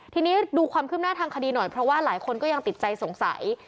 ทีนี้ดูความคืบหน้าทางคดีหน่อยเพราะว่าหลายคนก็ยังติดใจสงสัย